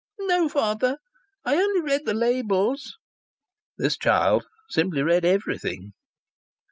"No, father. I only read the labels." This child simply read everything.